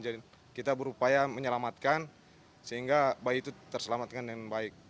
jadi kita berupaya menyelamatkan sehingga bayi itu terselamatkan dengan baik